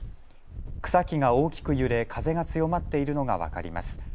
草木が大きく揺れ、風が強まっているのが分かります。